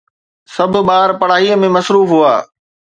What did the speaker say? سڀ ٻار پڙهائيءَ ۾ مصروف هئا